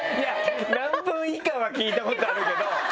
何分以下は聞いたことあるけど。